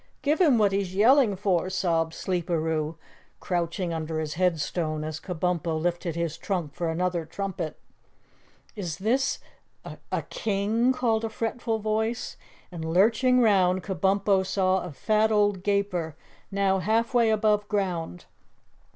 Give him what he's yelling for," sobbed Sleeperoo, crouching under his headstone as Kabumpo lifted his trunk for another trumpet. "Is this a king?" called a fretful voice, and, lurching round, Kabumpo saw a fat old Gaper now half way above ground.